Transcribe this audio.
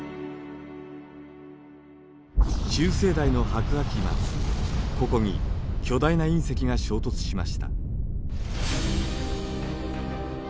中生代の白亜紀末ここに巨大な隕石が衝突しました。